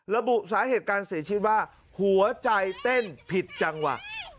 ระบุสาเหตุการเสียชีวิตว่าหัวใจเต้นผิดจังหวะ